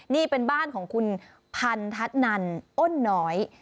นี่เป็นบ้านของคุณพันธนันอ้นน้อย